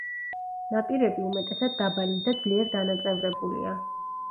ნაპირები უმეტესად დაბალი და ძლიერ დანაწევრებულია.